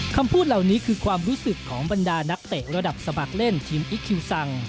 คำพูดเหล่านี้คือความรู้สึกของบรรดานักเตะระดับสมัครเล่นทีมอิคคิวซัง